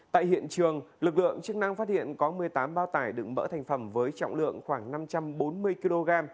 tại hiện trường lực lượng chức năng phát hiện có một mươi tám bao tải đựng mỡ thành phẩm với trọng lượng khoảng năm trăm bốn mươi kg